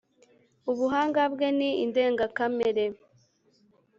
Ubuhanga bwe ni indengakamere